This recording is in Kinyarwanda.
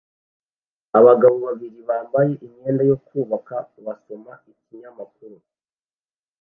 Abagabo babiri bambaye imyenda yo kubaka basoma ikinyamakuru